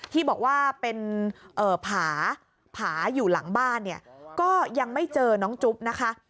ที่บอกว่าเป็นผาผาอยู่หลังบ้านเนี่ยก็ยังไม่เจอน้องจุ๊บนะคะ